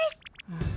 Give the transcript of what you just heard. うん？